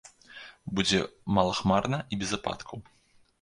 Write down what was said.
Будзе малахмарна і без ападкаў.